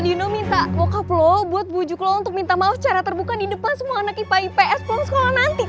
aldino minta bokap lo buat bujuk lo untuk minta maaf secara terbuka di depan semua anak ipa ips pulang sekolah nanti ki